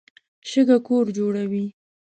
شګه کور جوړوي.